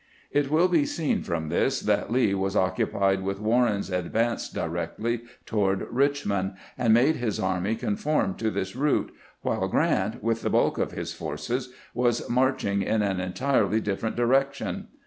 ..." It will be seen from this that Lee was occupied with Warren's advance di rectly toward Richmond, and made his army conform to this route, while Grant, with the bulk of his forces, was marching in an entirely different direction.